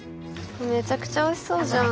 めちゃくちゃおいしそうじゃん。